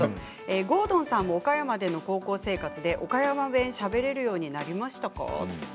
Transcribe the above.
郷敦さんも岡山県の高校生活で岡山弁しゃべれるようになりましたか？